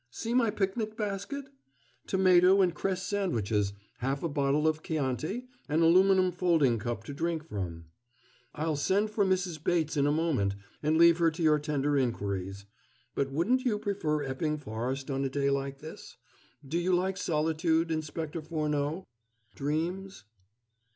See my picnic basket? tomato and cress sandwiches, half a bottle of Chianti, an aluminum folding cup to drink from. I'll send for Mrs. Bates in a moment, and leave her to your tender inquiries. But wouldn't you prefer Epping Forest on a day like this? Do you like solitude, Inspector Furneaux? Dreams?"